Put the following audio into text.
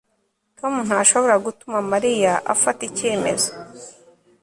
tom ntashobora gutuma mariya afata icyemezo